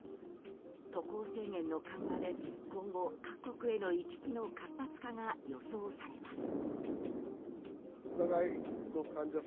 渡航制限の緩和で今後、各国への行き来の活発化が予想されます。